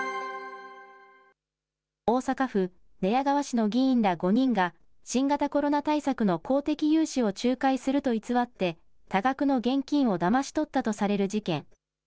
大阪府寝屋川市の議員ら５人が新型コロナ対策の公的融資を仲介すると偽って多額の現金をだまし取ったとされる事件。